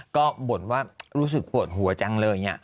ก็บ่นว่ารู้สึกปวดหัวจังเลย